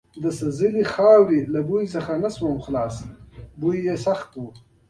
د سوځېدلې خاورې د بوی څخه خلاص نه شوم، بوی یې سخت و.